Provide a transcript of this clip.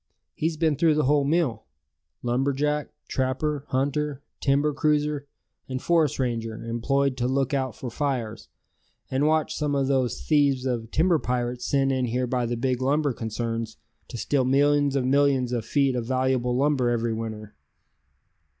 He's been through the whole mill lumber jack, trapper, hunter, timber cruiser; and forest ranger employed to look out for fires, and watch some of those thieves of timber pirates sent in here by the big lumber concerns to steal millions of millions of feet of valuable lumber every winter."